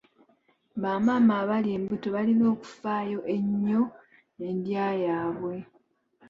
Bamaama abali embuto balina okufaayo ennyo ndya yaabwe.